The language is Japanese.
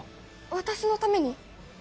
私のために？